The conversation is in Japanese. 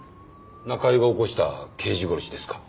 中井が起こした刑事殺しですか？